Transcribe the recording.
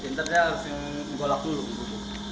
nanti harus gue lakuin dulu